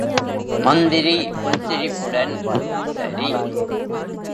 மந்திரி புன்சிரிப்புடன், சரி.